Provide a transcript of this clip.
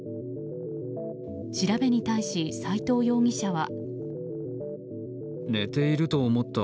調べに対し、斎藤容疑者は。